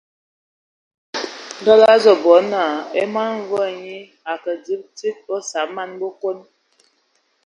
Ndɔ lə azu bɔ naa e mɔn mvua nyɔ a ke dzib tsid a osab man Bəkon.